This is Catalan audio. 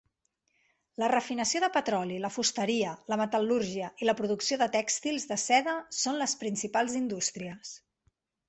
La refinació de petroli, la fusteria, la metal·lúrgia i la producció de tèxtils de seda són les principals indústries.